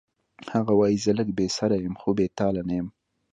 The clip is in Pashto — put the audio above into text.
هغه وایی زه لږ بې سره یم خو بې تاله نه یم